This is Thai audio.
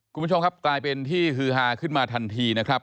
คุณผู้ชมครับกลายเป็นที่ฮือฮาขึ้นมาทันทีนะครับ